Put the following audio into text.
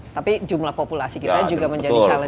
tapi jumlah populasi kita juga menjadi challenge